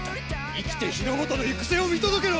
生きて日の本の行く末を見届けろ。